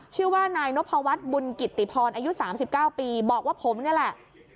ชื่อว่านายนพวัฒน์บุญกิตติพรอายุ๓๙ปีบอกว่าผมนี่แหละ